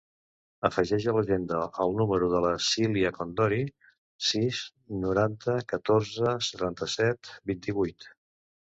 Afegeix a l'agenda el número de la Silya Condori: sis, noranta, catorze, setanta-set, vint-i-vuit.